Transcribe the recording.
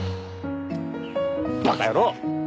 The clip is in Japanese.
バカ野郎！